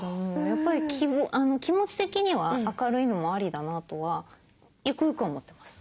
やっぱり気持ち的には明るいのもありだなとはゆくゆくは思ってます。